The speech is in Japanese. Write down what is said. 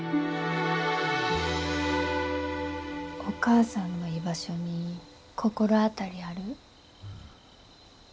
お母さんの居場所に心当たりある？